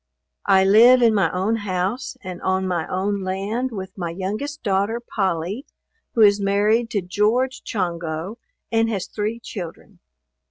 I live in my own house, and on my own land with my youngest daughter, Polly, who is married to George Chongo, and has three children.